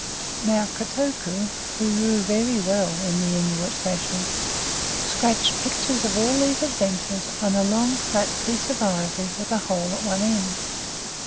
Now Kotuko, who drew very well in the Inuit fashion, scratched pictures of all these adventures on a long, flat piece of ivory with a hole at one end.